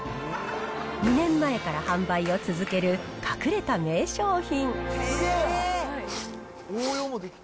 ２年前から販売を続ける隠れた名商品。